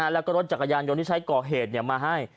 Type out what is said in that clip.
แล้วก็รถจักรยานยนต์ที่ใช้ก่อเหตุมาให้